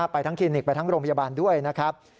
ไปทั้งคลินิกไปทั้งโรงพยาบาลด้วยนะครับ